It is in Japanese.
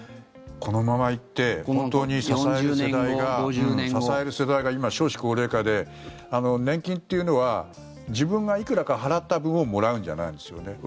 このまま行って本当に支える世代が今、少子高齢化で年金というのは自分がいくらか払った分をもらうんじゃないんですよね。